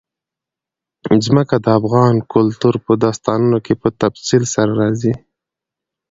ځمکه د افغان کلتور په داستانونو کې په تفصیل سره راځي.